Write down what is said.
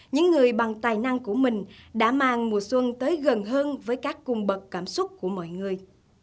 những người bằng tài năng của mình đã mang mùa xuân tới gần hơn với các cung bậc cảm xúc của mọi người